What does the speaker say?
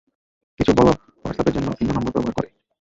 কিছু বলদ হোয়াটস্ অ্যাপের জন্য ভিন্ন নম্বর ব্যবহার করে।